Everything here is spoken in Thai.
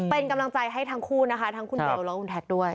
เป็นกำลังใจให้ทั้งคู่นะคะทั้งคุณเบลแล้วก็คุณแท็กด้วย